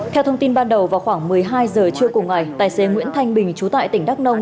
theo thông tin ban đầu vào khoảng một mươi hai giờ trưa cùng ngày tài xế nguyễn thanh bình trú tại tỉnh đắk nông